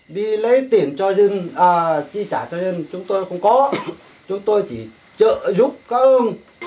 đi lấy tiền cho dân à chi trả cho dân chúng tôi không có chúng tôi chỉ trợ giúp cá ơn